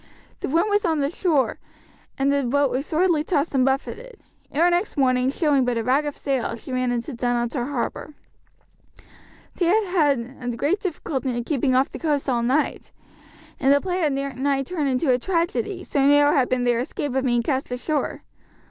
The wind was on the shore, and the boat was sorely tossed and buffeted. Ere next morning, showing but a rag of sail, she ran into Dunottar harbour. They had had great difficulty in keeping off the coast all night, and the play had nigh turned into a tragedy, so narrow had been their escape of being cast ashore.